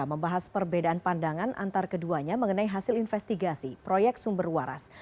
membahas perbedaan pandangan antar keduanya mengenai hasil investigasi proyek sumber waras